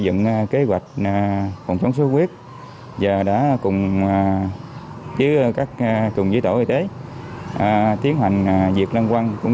dựng kế hoạch phòng chống xuất huyết và đã cùng với các dưới tổ y tế tiến hành diệt lăng quăng cũng